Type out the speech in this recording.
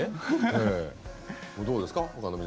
どうですか？